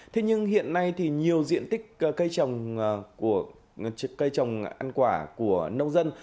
thế nhưng hiện nay thì nhiều diện tích cây trồng ăn quả của nông dân